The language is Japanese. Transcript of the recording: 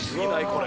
これ。